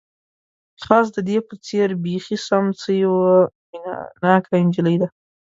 خاص د دې په څېر، بیخي سم، څه یوه مینه ناکه انجلۍ ده.